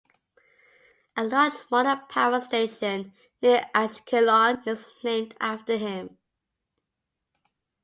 A large modern power station near Ashkelon is named after him.